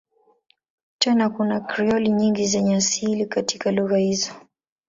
Tena kuna Krioli nyingi zenye asili katika lugha hizo.